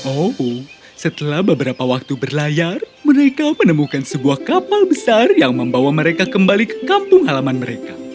oh setelah beberapa waktu berlayar mereka menemukan sebuah kapal besar yang membawa mereka kembali ke kampung halaman mereka